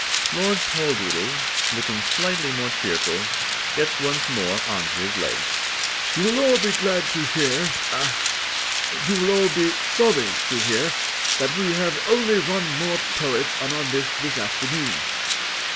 Lord Poldoodle, looking slightly more cheerful, gets once more on to his legs. "You will all be very glad to hear ah you will all be sorry to hear that we have only one more poet on our list this afternoon.